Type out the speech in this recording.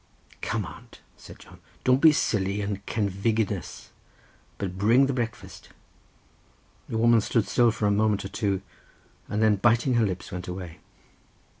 "Come, aunt," said John, "don't be silly and cenfigenus, but bring the breakfast." The woman stood still for a moment or two, and then biting her lips went away.